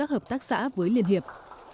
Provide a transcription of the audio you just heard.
hợp tác xã với liên hiệp